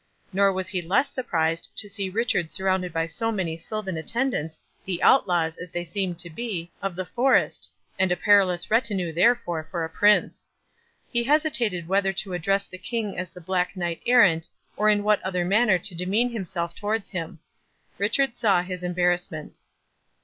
Nor was he less surprised to see Richard surrounded by so many silvan attendants, the outlaws, as they seemed to be, of the forest, and a perilous retinue therefore for a prince. He hesitated whether to address the King as the Black Knight errant, or in what other manner to demean himself towards him. Richard saw his embarrassment.